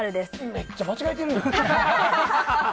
めっちゃ間違えてるじゃん。